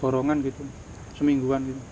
borongan gitu semingguan